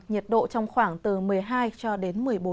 nhiệt độ trong khoảng từ một mươi hai một mươi bốn độ